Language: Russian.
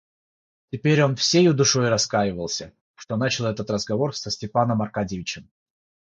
Теперь он всею душой раскаивался, что начал этот разговор со Степаном Аркадьичем.